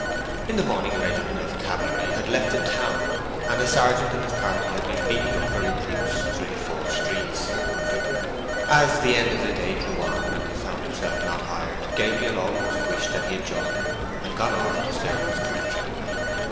In the morning a regiment of cavalry had left the town, and a sergeant and his party had been beating up for recruits through the four streets. As the end of the day drew on, and he found himself not hired, Gabriel almost wished that he had joined them, and gone off to serve his country.